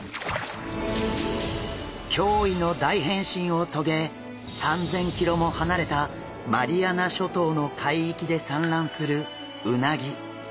驚異の大変身を遂げ３，０００ｋｍも離れたマリアナ諸島の海域で産卵するうなぎ。